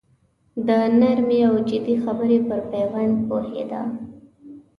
د نرمې او جدي خبرې پر پېوند پوهېده.